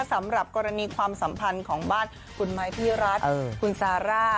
สำหรับกรณีความสัมพันธ์ของบ้านคุณไม้พี่รัฐคุณซาร่า